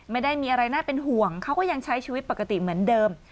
ไม่ได้มีอะไรน่าเป็นห่วงเขาก็ยังใช้ชีวิตปกติเหมือนเดิม